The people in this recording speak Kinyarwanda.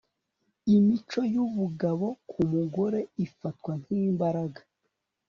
Imico yubugabo kumugore ifatwa nkimbaraga